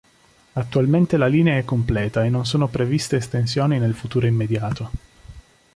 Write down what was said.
Attualmente, la linea è completa e non sono previste estensioni nel futuro immediato.